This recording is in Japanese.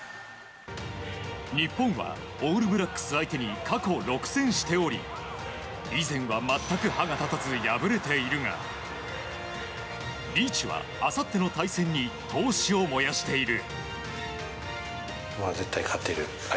日本はオールブラックス相手に過去６戦しており以前は全く歯が立たず敗れているがリーチはあさっての対戦に闘志を燃やしている。